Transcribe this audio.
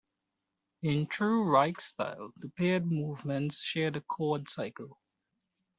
In true Reich style, the paired movements share a chord cycle.